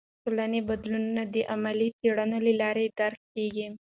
ټولنې بدلونونه د علمي څیړنو له لارې درک کیږي.